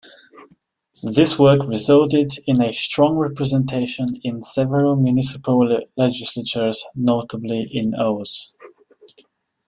This work resulted in a strong representation in several municipal legislatures, notably in Oss.